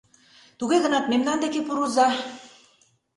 Туге гынат мемнан деке пурыза.